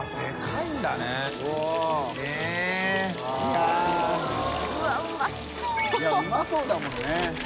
いうまそうだもんね。